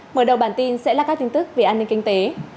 mở đầu bản tin sẽ là các tin tức về an ninh kinh tế